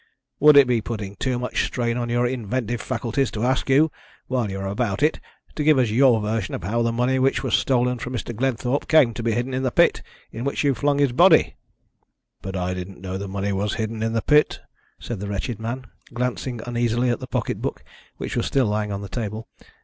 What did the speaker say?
Would it be putting too much strain on your inventive faculties to ask you, while you are about it, to give us your version of how the money which was stolen from Mr. Glenthorpe came to be hidden in the pit in which you flung his body?" "But I didn't know the money was hidden in the pit," said the wretched man, glancing uneasily at the pocket book, which was still lying on the table.